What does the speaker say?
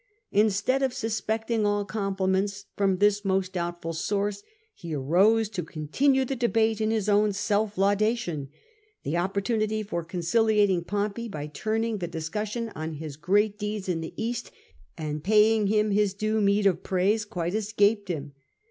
Instead of suspecting all com pliments from this most doubtful source, he arose to continue the debate in bis own self laudation. The opportunity for conciliating Pompey, by turning the discussion on to his great deeds in the Bast, and paying him his due meed of praise, quite escaped him.